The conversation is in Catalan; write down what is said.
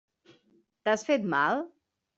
T'has fet mal?